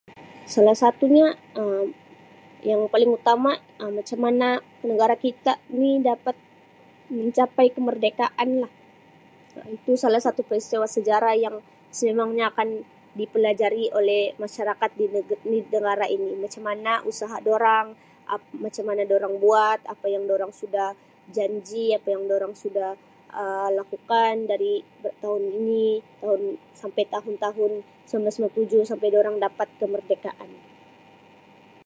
Salah satunya Um yang paling utama Um macam mana negara kita ni dapat mencapai kemerdekaanlah Um itu salah satu peristiwa sejarah yang sememangnya akan dipelajari oleh masyarakat di nega-negara ini macam mana usaha dorang Um macam mana dorang buat apa yang dorang suda janji apa yang dorang suda Um lakukan dari tahun ini tahun sampai tahun-tahun sembilan belas lima puluh tujuh sampai dorang dapat kemerdekaan.